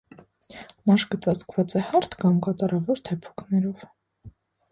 Մաշկը ծածկված է հարթ կամ կատարավոր թեփուկներով։